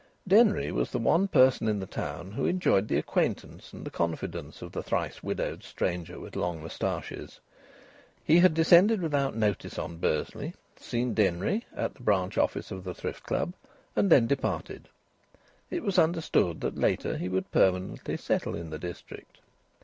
Denry was the one person in the town who enjoyed the acquaintance and the confidence of the thrice widowed stranger with long moustaches. He had descended without notice on Bursley, seen Denry (at the branch office of the Thrift Club), and then departed. It was understood that later he would permanently settle in the district.